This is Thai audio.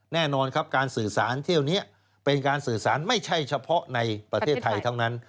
แน่นอนครับการสื่อสารเที่ยวนี้เป็นการสื่อสารไม่ใช่เฉพาะในประเทศไทยเท่านั้น